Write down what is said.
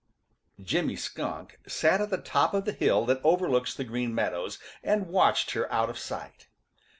Jimmy Skunk sat at the top of the hill that overlooks the Green Meadows and watched her out of sight.